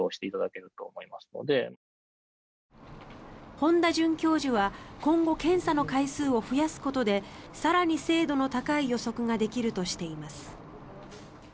本多准教授は今後、検査の回数を増やすことで更に精度の高い予測ができるとしています。